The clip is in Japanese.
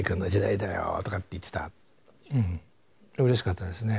うれしかったですね。